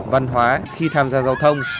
văn hóa khi tham gia giao thông